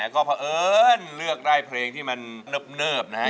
ก็เพราะเอิญเลือกได้เพลงที่มันเนิบนะฮะ